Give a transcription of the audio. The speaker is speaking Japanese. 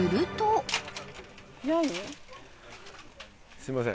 すいません。